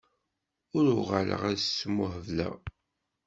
Ur uɣaleɣ ad smuhebleɣ.